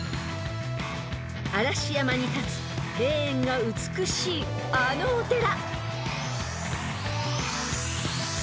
［嵐山に立つ庭園が美しいあのお寺］